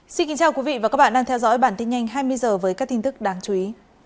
xin kính chào quý vị và các bạn đang theo dõi bản tin nhanh hai mươi h với các tin tức đáng chú ý